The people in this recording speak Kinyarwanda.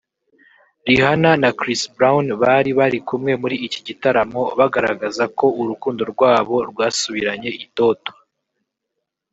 Rihanna na Chris Brown bari bari kumwe muri iki gitaramo bagaragaza ko urukundo rwabo rwasubiranye itoto